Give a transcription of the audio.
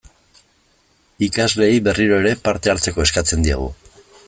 Ikasleei, berriro ere, parte hartzeko eskatzen diegu.